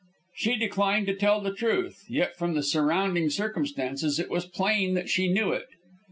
She declined to tell the truth, yet from the surrounding circumstances it was plain that she knew it.